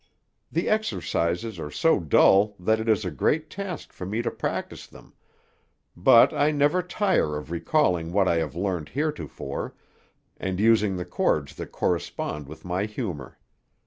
The exercises are so dull that it is a great task for me to practise them; but I never tire of recalling what I have learned heretofore, and using the chords that correspond with my humor.